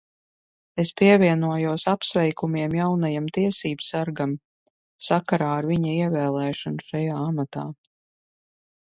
Es pievienojos apsveikumiem jaunajam tiesībsargam sakarā ar viņa ievēlēšanu šajā amatā!